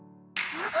あっ。